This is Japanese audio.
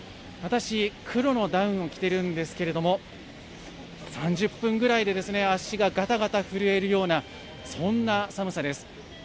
私、黒のダウンを着てるんですけれども、３０分ぐらいで足ががたがた震えるような、そんな寒さです。